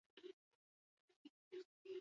Bideo honetan txapelketako izarrak aztertu ditugu.